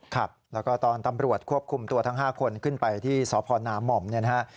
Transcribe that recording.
ครับแล้วก็ตอนตำรวจควบคุมตัวทั้ง๕คนขึ้นไปที่สพนาม่อมเนี่ยนะฮะ